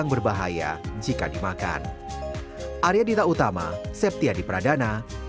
berbahaya jika dimakan